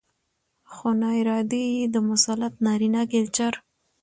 ؛ خو ناارادي يې د مسلط نارينه کلچر